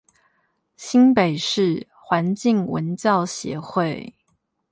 新北市環境文教協會